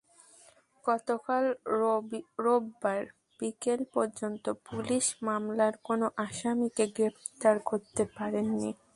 গতকাল রোববার বিকেল পর্যন্ত পুলিশ মামলার কোনো আসামিকে গ্রেপ্তার করতে পারেনি।